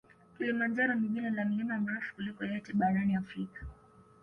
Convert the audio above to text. Kilimanjaro ni jina la mlima mrefu kuliko yote barani Afrika